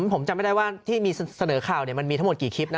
ผมจำไม่ได้ว่าที่มีเสนอข่าวมันมีทั้งหมดกี่คลิปนะ